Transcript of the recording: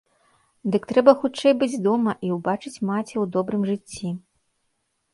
Дык трэба хутчэй быць дома і ўбачыць маці ў добрым жыцці.